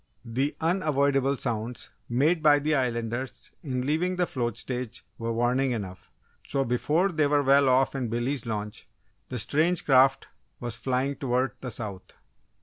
The unavoidable sounds made by the Islanders in leaving the float stage were warning enough, so before they were well off in Billy's launch the strange craft was flying toward the south.